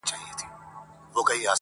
خو بس دا ستا تصوير به كور وران كړو.